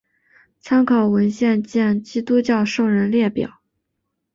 参考文献见基督教圣人列表。